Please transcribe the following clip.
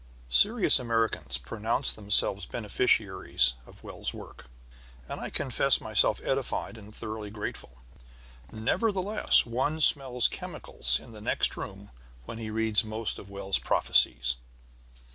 Serious Americans pronounce themselves beneficiaries of Wells' works, and I confess myself edified and thoroughly grateful. Nevertheless, one smells chemicals in the next room when he reads most of Wells' prophecies.